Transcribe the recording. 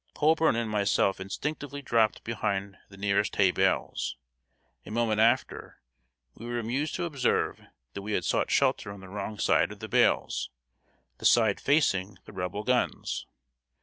Colburn and myself instinctively dropped behind the nearest hay bales. A moment after, we were amused to observe that we had sought shelter on the wrong side of the bales the side facing the Rebel guns.